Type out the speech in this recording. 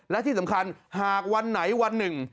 และที่สำคัญหากวันไหนวันหนึ่ง